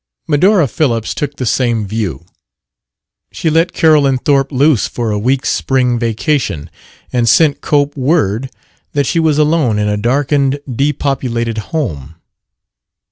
Medora Phillips took the same view. She let Carolyn Thorpe loose for a week's spring vacation, and sent Cope word that she was alone in a darkened, depopulated home.